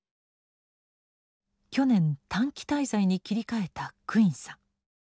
去年短期滞在に切り替えたクインさん。